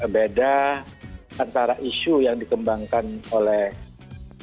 beda antara isu yang dikembangkan oleh pemerintah